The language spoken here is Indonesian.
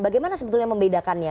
bagaimana sebetulnya membedakannya